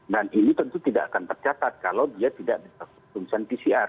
dan ini tentu tidak akan tercatat kalau dia tidak bergejala pemelisaan pcr